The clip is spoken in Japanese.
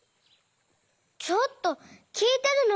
ちょっときいてるの？